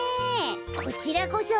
こちらこそ。